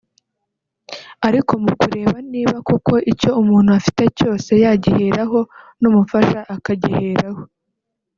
ariko mu kureba niba koko icyo umuntu afite cyose yagiheraho n’umufasha akagiheraho